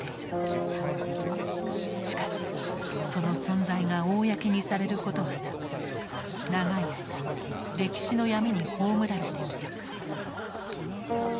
しかしその存在が公にされることはなく長い間歴史の闇に葬られてきた。